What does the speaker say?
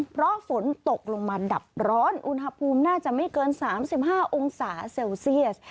เพราะฝนตกลงมาดับร้อนอุณหภูมิน่าจะไม่เกิน๓๕องศาเซลเซียส